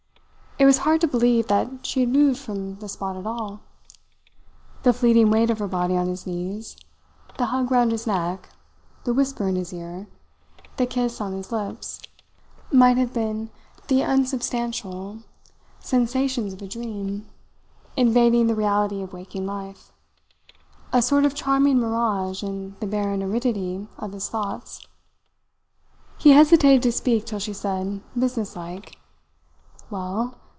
It was hard to believe that she had moved from the spot at all. The fleeting weight of her body on his knees, the hug round his neck, the whisper in his ear, the kiss on his lips, might have been the unsubstantial sensations of a dream invading the reality of waking life; a sort of charming mirage in the barren aridity of his thoughts. He hesitated to speak till she said, businesslike: "Well.